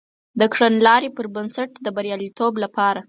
د کړنلاري پر بنسټ د بریالیتوب لپاره